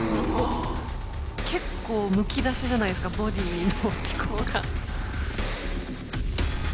結構むき出しじゃないですかボディーの機構が。